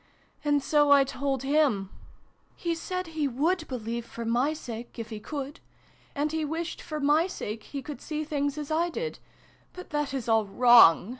"And so I told him. He said he would believe, for my 30 SYLVIE AND BRUNO CONCLUDED sake, if he could. And he wished, for my sake, he could see things as I did. But that is all wrong